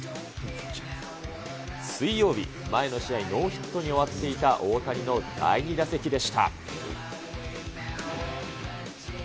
水曜日、前の試合、ノーヒットに終わっていた大谷の第２打席でした。